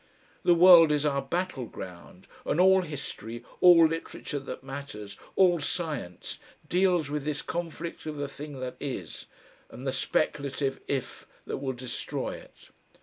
The world is our battleground; and all history, all literature that matters, all science, deals with this conflict of the thing that is and the speculative "if" that will destroy it.